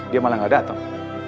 dia malah gak datang